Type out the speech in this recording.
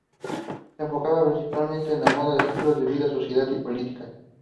Se enfocaba principalmente en moda, estilos de vida, sociedad y política.